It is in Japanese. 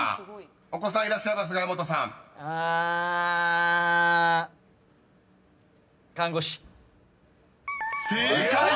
［お子さんいらっしゃいますが矢本さん］「看護師」［正解！